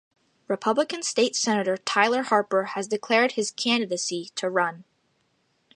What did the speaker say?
Republican State Senator Tyler Harper has declared his candidacy to run.